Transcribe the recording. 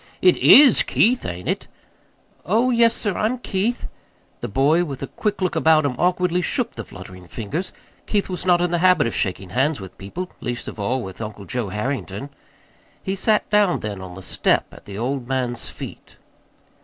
"It IS Keith ain't it?" "Oh, yes, sir, I'm Keith." The boy, with a quick look about him, awkwardly shook the fluttering fingers Keith was not in the habit of shaking hands with people, least of all with Uncle Joe Harrington. He sat down then on the step at the old man's feet.